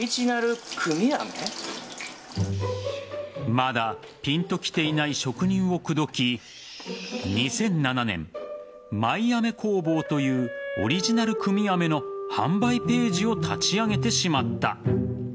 まだピンときていない職人を口説き２００７年まいあめ工房というオリジナル組み飴の販売ページを立ち上げてしまった。